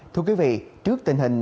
thưa quý vị trước tình hình